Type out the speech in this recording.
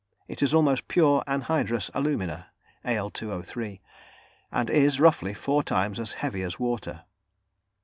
It is almost pure anhydrous alumina (Al_O_) and is, roughly, four times as heavy as water.